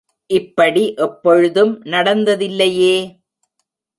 இப்படி எப்பொழுதும் நடந்ததில்லையே!